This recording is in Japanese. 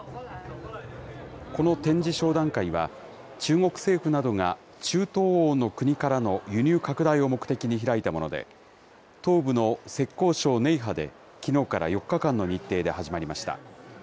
この展示商談会は、中国政府などが中東欧の国からの輸入拡大を目的に開いたもので、東部の浙江省寧波で、きのうから４日間の日程で始まりました。